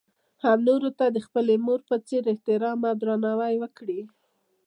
او هـم نـورو تـه د خـپلې مـور پـه څـېـر احتـرام او درنـاوى وکـړي.